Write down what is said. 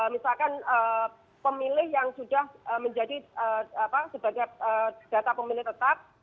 misalkan pemilih yang sudah menjadi sebagai data pemilih tetap